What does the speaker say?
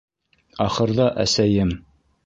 Ахырҙа, әсәйем: